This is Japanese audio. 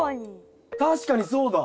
確かにそうだ。